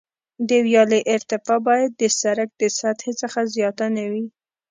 د ویالې ارتفاع باید د سرک د سطحې څخه زیاته نه وي